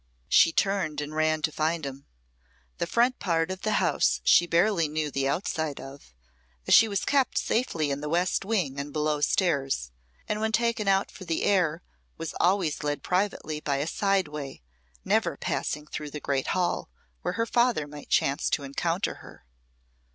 She turned and ran to find him. The front part of the house she barely knew the outside of, as she was kept safely in the west wing and below stairs, and when taken out for the air was always led privately by a side way never passing through the great hall, where her father might chance to encounter her.